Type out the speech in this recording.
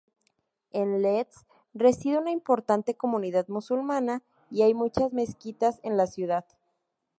En Leeds reside una importante comunidad musulmana y hay muchas mezquitas en la ciudad.